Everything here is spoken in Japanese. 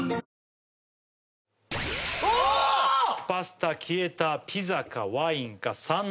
パスタ消えたピザかワインか３７